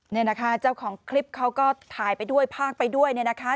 นี่นะคะเจ้าของคลิปเขาก็ถ่ายไปด้วยพากไปด้วยเนี่ยนะคะ